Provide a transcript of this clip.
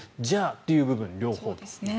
じゃあ、という両方。